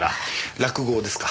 落語ですか？